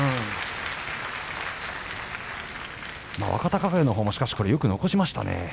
若隆景もよく残しましたね。